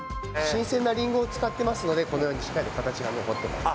新鮮なりんごを使っていますので、このようにしっかりと形が残っています。